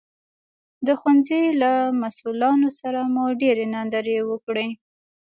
د ښوونځي له مسوولانو سره مو ډېرې ناندرۍ وکړې